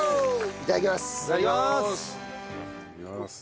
いただきます！